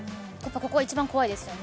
ここが一番怖いですよね。